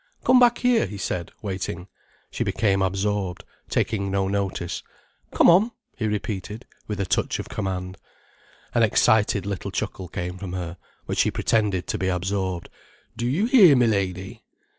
"Come back here," he said, waiting. She became absorbed, taking no notice. "Come on," he repeated, with a touch of command. An excited little chuckle came from her, but she pretended to be absorbed. "Do you hear, Milady?"